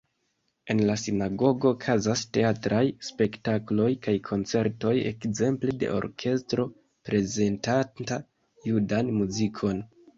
En la sinagogo okazas teatraj spektakloj kaj koncertoj, ekzemple de orkestro prezentanta judan muzikon.